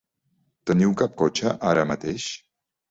Teniu cap cotxe ara mateix?